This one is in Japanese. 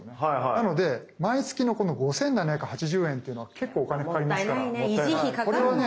なので毎月のこの５，７８０円っていうのは結構お金かかりますから。もったいないね。